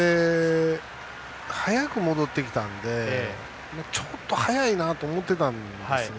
早く戻ってきたんでちょっと、早いなと思ってたんですね。